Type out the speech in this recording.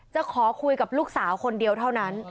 จะขอคุยกับลูกสาวคนเดียวเท่านั้น